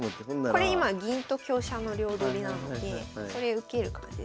これ今銀と香車の両取りなのでそれ受ける感じですかね。